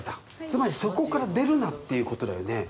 つまりそこから出るなっていうことだよね。